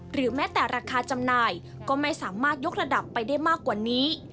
แม้แต่ราคาจำหน่ายก็ไม่สามารถยกระดับไปได้มากกว่านี้